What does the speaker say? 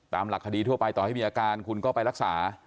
หลักคดีทั่วไปต่อให้มีอาการคุณก็ไปรักษา